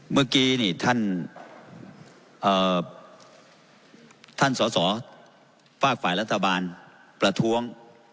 เมื่อกี้นี่ท่านเอ่อท่านสอสอฟ้าฝ่ายรัฐบาลประท้วง